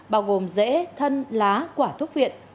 bao gồm rễ thân lá quả thuốc viện